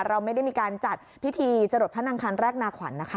เราไม่ได้มีการจัดพิธีจรดพระนางคันแรกนาขวัญนะคะ